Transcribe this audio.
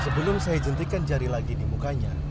sebelum saya jentikkan jari lagi di mukanya